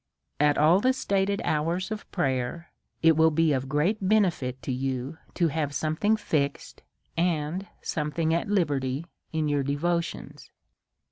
At all the stated hours of prayer it will be of great benefit to you to have something fixed, and some thing at liberty in your devotions.